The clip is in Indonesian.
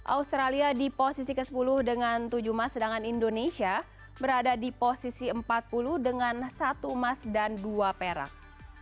australia di posisi ke sepuluh dengan tujuh emas sedangkan indonesia berada di posisi empat puluh dengan satu emas dan dua perak